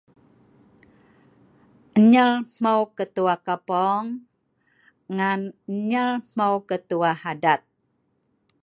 Nyel hmeu ketua kapong(lun rah lem Aweng) ngan nyel hmeu ketua adat(lun rah aro atol adat)